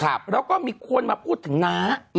แล้วก็มีคนมาพูดถึงน้า